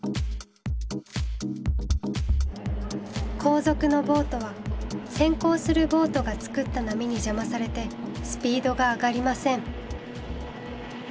後続のボートは先行するボートが作った波に邪魔されてスピードが上がりません。